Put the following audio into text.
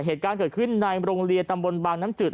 เหตุการณ์เกิดขึ้นในโรงเรียนตำบลบางน้ำจืด